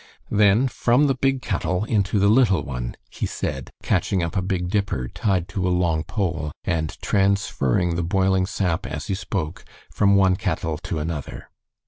"Then from the big kettle into the little one," he said, catching up a big dipper tied to a long pole, and transferring the boiling sap as he spoke from one kettle to another.